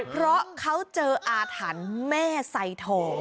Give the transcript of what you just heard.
เพราะเขาเจออาถรรพ์แม่ไซทอง